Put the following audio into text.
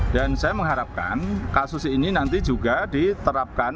dan saya mengharapkan kasus ini nanti juga diterapkan